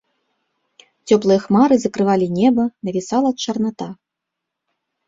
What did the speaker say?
Цёплыя хмары закрывалі неба, навісала чарната.